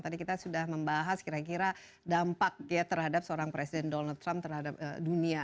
tadi kita sudah membahas kira kira dampak ya terhadap seorang presiden donald trump terhadap dunia